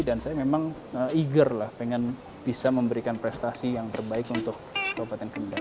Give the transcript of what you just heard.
saya memang eager lah pengen bisa memberikan prestasi yang terbaik untuk kabupaten kendal